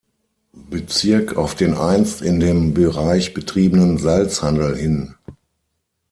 Bezirk auf den einst in dem Bereich betriebenen Salzhandel hin.